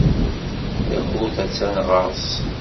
Takurt attan ɣer-s.